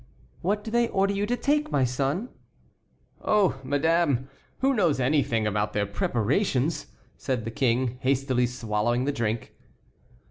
"What do they order you to take, my son?" "Oh! madame, who knows anything about their preparations?" said the King, hastily swallowing the drink.